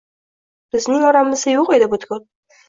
Bizning oramizda yo’q edi butkul